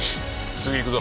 次行くぞ。